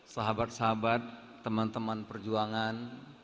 sahabat sahabat teman teman perjuangan